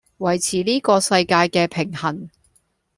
維持呢個世界既平衡